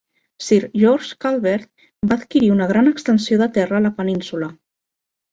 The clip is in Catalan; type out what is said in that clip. Sir George Calvert va adquirir una gran extensió de terra a la península.